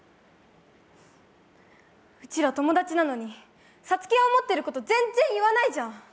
うちら友達なのに、サツキは思ってること全然言わないじゃん。